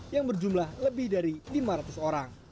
yang berjumlah lebih dari lima ratus orang